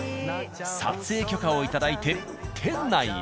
撮影許可を頂いて店内へ。